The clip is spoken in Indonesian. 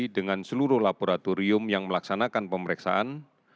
dengan seluruh laboratorium yang melaksanakan pemeriksaan